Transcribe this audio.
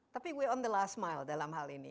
tapi kita dalam perjalanan terakhir dalam hal ini